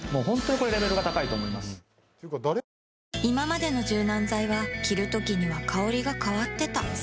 いままでの柔軟剤は着るときには香りが変わってた